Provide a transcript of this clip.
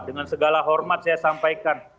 dengan segala hormat saya sampaikan